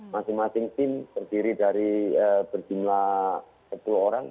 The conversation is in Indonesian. masing masing tim terdiri dari berjumlah sepuluh orang